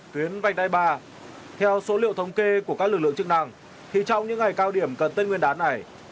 tuyến vành đai ba theo số liệu thống kê của các lực lượng chức năng thì trong những ngày cao điểm cần tết nguyên đán này